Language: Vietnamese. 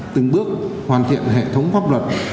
từng bước hoàn thiện hệ thống pháp luật